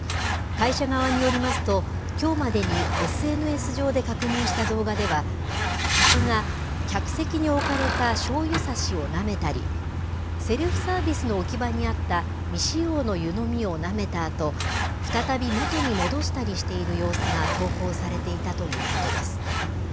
会社側によりますと、きょうまでに、ＳＮＳ上で確認した動画では、客が客席に置かれたしょうゆさしをなめたり、セルフサービスの置き場にあった未使用の湯飲みをなめたあと、再び元に戻したりしている様子が投稿されていたということです。